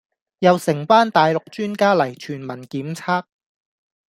又成班大陸專家嚟全民檢測